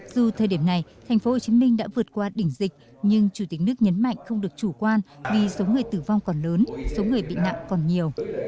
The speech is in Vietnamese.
dù thời điểm này tp hcm đã vượt qua đỉnh dịch nhưng chủ tịch nước nhấn mạnh không được chủ quan vì số người tử vong còn lớn số người bị nạn còn nhiều